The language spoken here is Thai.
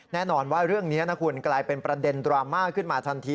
แน่นอนว่าเรื่องนี้นะคุณกลายเป็นประเด็นดราม่าขึ้นมาทันที